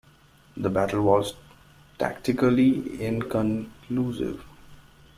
The battle was tactically inconclusive.